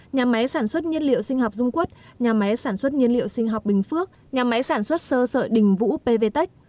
bốn nhà máy sản xuất nhiên liệu sinh học dung quốc nhà máy sản xuất nhiên liệu sinh học bình phước nhà máy sản xuất sơ sợi đình vũ pv tech